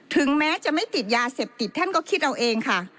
ถึงแม้จะไม่ติดยาเสพติดท่านก็คิดเอาเองค่ะ